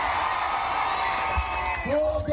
ผมบอกกับทุกท่านอย่างนี้